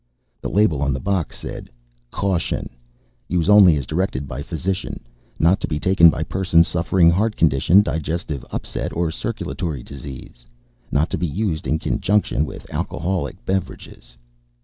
The label on the box said: CAUTION _Use only as directed by physician. Not to be taken by persons suffering heart condition, digestive upset or circulatory disease. Not to be used in conjunction with alcoholic beverages.